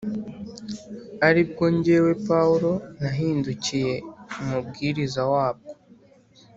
ari bwo jyewe Pawulo nahindukiye umubwiriza wabwo